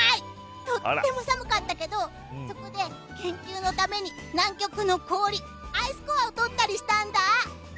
とっても寒かったけどそこで研究のために南極の氷アイスコアを取ったりしたんだ。